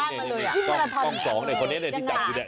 กล้อง๒ในที่จับอยู่แหละในกล้อง๒ในที่จับอยู่แหละ